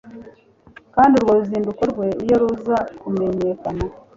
Kandi urwo ruzinduko rwe iyo ruza kumenyekana